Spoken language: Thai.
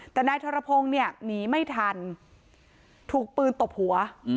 แต่นายธรพงศ์เนี่ยหนีไม่ทันถูกปืนตบหัว